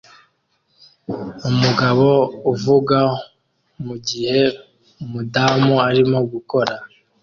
Umugabo uvuga mugihe umudamu arimo gukora